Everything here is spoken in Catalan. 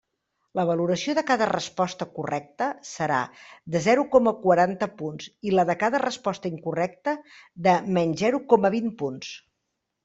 La valoració de cada resposta correcta serà de zero coma quaranta punts i la de cada resposta incorrecta de menys zero coma vint punts.